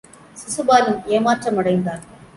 சிசுபாலன் ஏமாற்றம் அடைந்தான்.